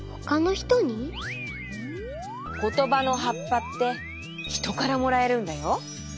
ことばのはっぱってひとからもらえるんだよ。